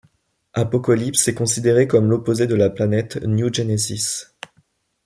Apokolips est considérée comme l'opposé de la planète New Genesis.